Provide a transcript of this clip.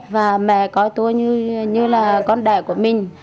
và mẹ coi tôi như là con đẻ của mình